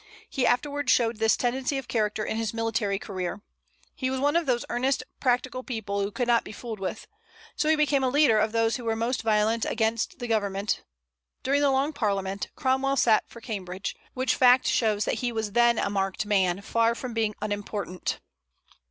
He afterwards showed this tendency of character in his military career. He was one of those earnest and practical people who could not be fooled with. So he became a leader of those who were most violent against the Government During the Long Parliament, Cromwell sat for Cambridge; which fact shows that he was then a marked man, far from being unimportant.